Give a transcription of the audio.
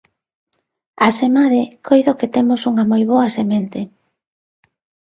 Asemade, coido que temos unha moi boa semente.